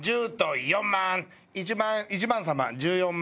１番様１４万